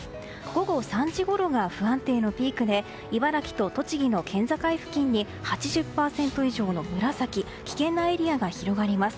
午後３時ごろが不安定のピークで茨城と栃木の県境付近に８０％以上の紫危険なエリアが広がります。